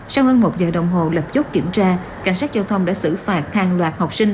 sau hơn một giờ đồng hồ lập chốt kiểm tra cảnh sát giao thông đã xử phạt hàng loạt học sinh